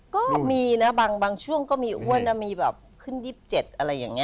ก็มีนะบางมีอ้วนหรอกมีแบบถึง๒๗อะไรอย่างนี้